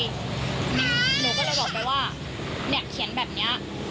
หนูก็เลยบอกไปว่าเนี่ยเขียนแบบนี้